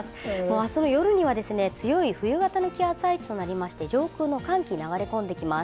明日の夜には強い冬型の気圧配置となりまして上空の寒気が流れ込んできます。